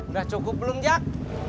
udah cukup belum jack